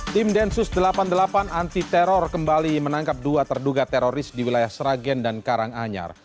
tim densus delapan puluh delapan anti teror kembali menangkap dua terduga teroris di wilayah sragen dan karanganyar